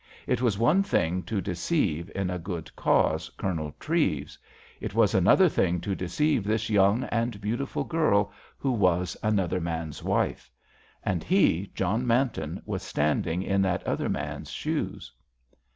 It was one thing to deceive, in a good cause, Colonel Treves; it was another thing to deceive this young and beautiful girl, who was another man's wife. And he, John Manton, was standing in that other man's shoes.